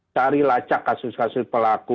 cari lacak kasus kasus pelaku